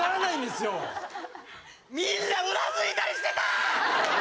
みんなうなずいたりしてた！